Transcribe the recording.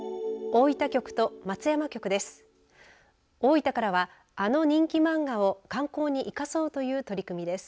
大分からは、あの人気漫画を観光に生かそうという取り組みです。